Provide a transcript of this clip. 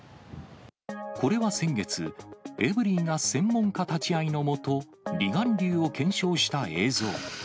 これは先月、エブリィが専門家立ち会いの下、離岸流を検証した映像。